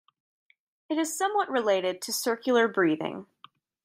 It is somewhat related to circular breathing.